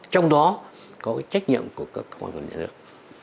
trong đó có cái trách nhiệm của các cộng đồng nhà nước